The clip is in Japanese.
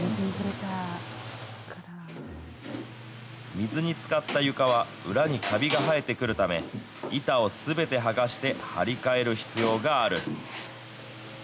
水につかった床は、裏にカビが生えてくるため、板をすべて剥がして張り替える必要がある。